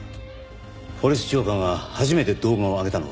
「ポリス浄化ぁ」が初めて動画を上げたのは？